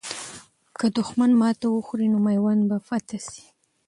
که دښمن ماته وخوري، نو میوند به فتح سي.